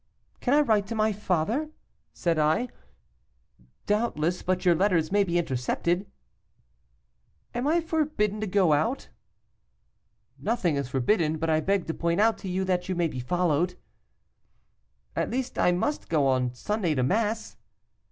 "'Can I write to my father?' said I. 'Doubtless; but your letters may be intercepted.' 'Am I forbidden to go out?' 'Nothing is forbidden; but I beg to point out to you that you may be followed.' 'At least I must go on Sunday to mass.